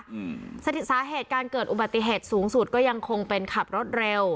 อืมสถิตสาเหตุการเกิดอุบัติเหตุสูงสุดก็ยังคงเป็นขับรถเร็ว